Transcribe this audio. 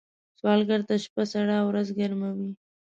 سوالګر ته شپه سړه او ورځ ګرمه وي